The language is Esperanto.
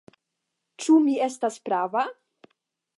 Ĉu mi estas prava?